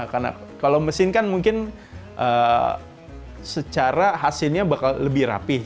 karena kalau mesin kan mungkin secara hasilnya bakal lebih rapih